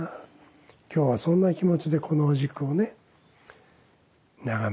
今日はそんな気持ちでこのお軸をね眺めてたんです。